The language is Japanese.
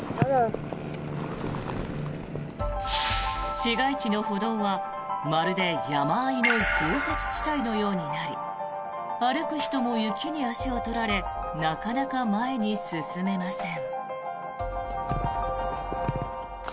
市街地の歩道は、まるで山あいの豪雪地帯のようになり歩く人も雪に足を取られなかなか前に進めません。